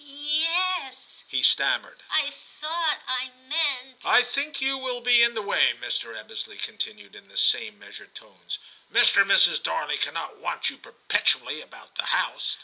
*Yes,' he stammered; 'I thought, I meant '' I think you will be in the way,' Mr. Ebbesley continued, in the same measured tones. ' Mr. and Mrs. Darley cannot want you perpetually about the house.'